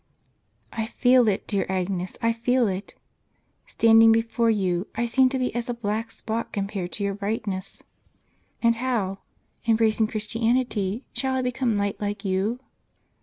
" I feel it, dear Agnes, — I feel it. Standing before you, I seem to be as a black spot compared to your brightness. And how, embracing Christianity, shall I become light like you?"